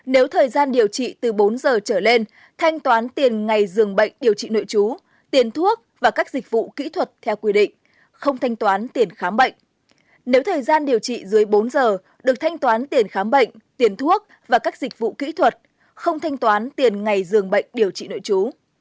nếu thời gian điều trị từ bốn giờ trở lên thanh toán tiền ngày dường bệnh điều trị nội chú tiền thuốc và các dịch vụ kỹ thuật theo quy định không thanh toán tiền khám bệnh nếu thời gian điều trị dưới bốn giờ được thanh toán tiền khám bệnh tiền thuốc và các dịch vụ kỹ thuật không thanh toán tiền ngày dường bệnh điều trị nội chú